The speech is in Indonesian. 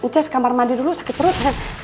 which kamar mandi dulu sakit perut